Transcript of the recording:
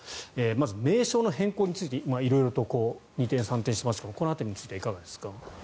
まず、名称の変更については色々と二転三転していますがこの辺りについてはいかがですか。